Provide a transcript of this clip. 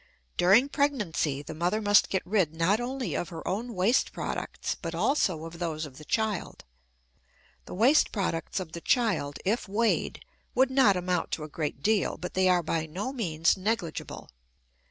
During pregnancy the mother must get rid not only of her own waste products, but also of those of the child. The waste products of the child, if weighed, would not amount to a great deal; but they are by no means negligible.